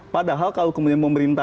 padahal kalau kemudian pemerintah